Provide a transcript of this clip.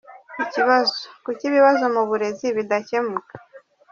Ikibazo : kuki ibibazo mu burezi bidakemuka ?